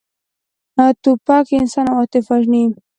توپک انساني عواطف وژني.